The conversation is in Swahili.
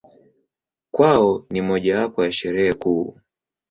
Kwao ni mojawapo ya Sherehe kuu.